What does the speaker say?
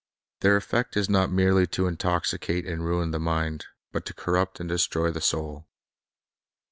Their effect is not merely to intoxicate and ruin the mind, but to corrupt and destroy the soul.